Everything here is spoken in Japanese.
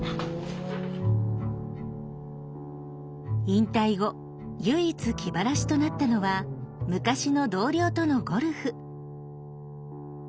引退後唯一気晴らしとなったのは昔の同僚とのゴルフ。